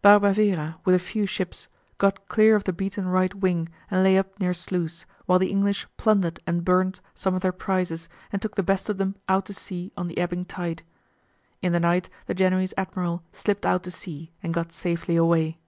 Barbavera, with a few ships, got clear of the beaten right wing and lay up near Sluys, while the English plundered and burned some of their prizes and took the best of them out to sea on the ebbing tide. In the night the Genoese admiral slipped out to sea, and got safely away.